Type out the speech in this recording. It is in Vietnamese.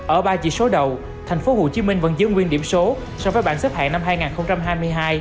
ở ba chỉ số đầu thành phố hồ chí minh vẫn giữ nguyên điểm số so với bản xếp hạng năm hai nghìn hai mươi hai